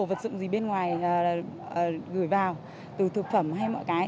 vật dụng gì bên ngoài gửi vào từ thực phẩm hay mọi cái